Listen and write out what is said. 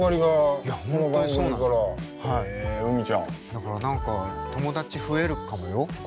だから何か友達増えるかもよ。